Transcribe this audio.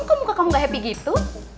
kok muka kamu gak happy gitu